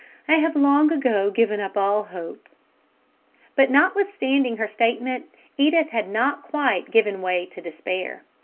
"I have long ago given up all hope." But notwithstanding her statement Edith had not quite given way to despair.